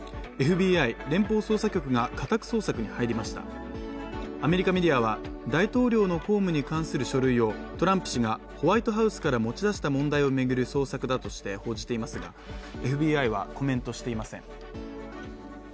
ＦＢＩ＝連邦捜査局が家宅捜索に入りました、アメリカメディアは大統領の公務に関する書類をトランプ氏がホワイトハウスから持ち出した問題を巡る捜索だとして、報じていますがＦＢＩはコメントしていません。